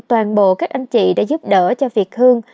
toàn bộ các anh chị đã giúp đỡ cho việt hương